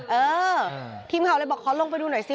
เออทีมข่าวเลยบอกขอลงไปดูหน่อยสิ